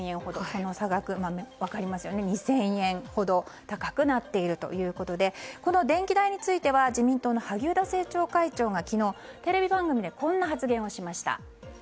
その差額、２０００円ほど高くなっているということでこの電気代については自民党の萩生田政調会長が昨日、テレビ番組でこんな発言をしました。